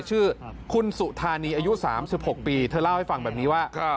ชื่อคุณสุธานีอายุ๓๖ปีเธอเล่าให้ฟังแบบนี้ว่า